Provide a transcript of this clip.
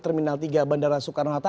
terminal tiga bandara soekarno hatta